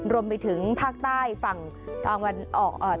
รวมไปถึงภาคใต้ฝั่งตะวันออก